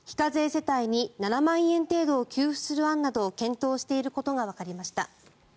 世帯に７万円程度を給付する案などを検討していることがわかりました。